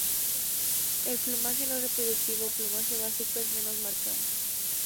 El plumaje no reproductivo o plumaje básico es menos marcado.